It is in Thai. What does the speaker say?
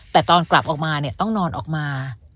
แต่ตอนกลับออกมาเนี่ยต้องนอนออกมา